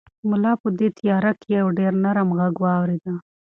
ملا په دې تیاره کې یو ډېر نرم غږ واورېد.